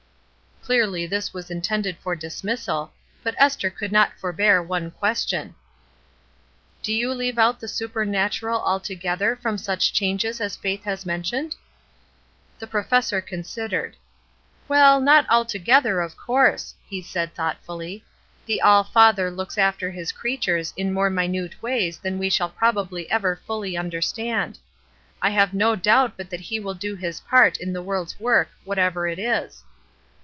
'* Clearly this was intended for dismissal, but Esther could not forbear one question. ^'Do you leave out the supernatural alto gether from such changes as Faith has men tioned?" The professor considered. ''Well, not altogether, of course," he said thoughtfully. ''The All Father looks after his creatures in more minute ways than we shall probably ever fully understand. I have no doubt but that he will do his part in the world's work, whatever it is."